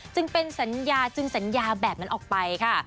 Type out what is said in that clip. จึงเป็นสัญญาจึงสัญญาแบบนั้นออกไปค่ะ